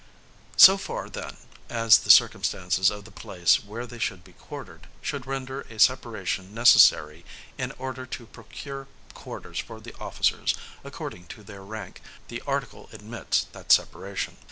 So far, then, as the circumstances of the place where they should be quartered, should render a separation necessary, in order to procure quarters for the officers, according to their rank, the article admits that separation.